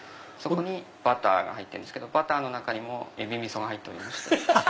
バターが入ってるんですけどバターの中にもえびみそが入っておりまして。